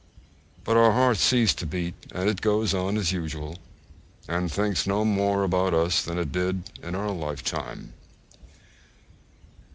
But our hearts cease to beat, and it goes on as usual, and thinks no more about us than it did in our lifetime.